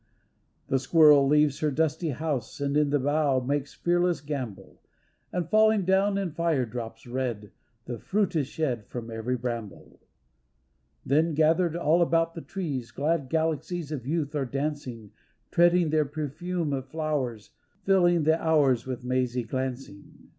The squirrel leaves her dusty house And in the boughs makes fearless gambol, And, falling down in fire drops, red. The fruit is shed from every bramble. 284 THE LANAWN SHEE Then, gathered all about the trees Glad galaxies of youth are dancing, Treading the perfume of the flowers, Filling the hours with mazy glancing.